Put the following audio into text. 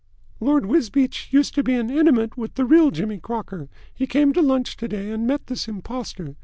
"Lord Wisbeach used to be intimate with the real Jimmy Crocker. He came to lunch to day and met this impostor.